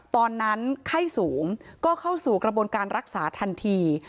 ตอนนั้นไข้สูงก็เข้าสู่กระบวนการรักษาทันที